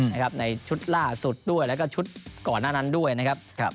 ในชุดล่าสุดด้วยแล้วก็ชุดก่อนหน้านั้นด้วยนะครับ